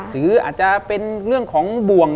หรืออาจจะเป็นเรื่องของบ่วง